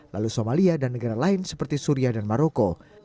lalu somalia dan negara lain seperti suria dan maroko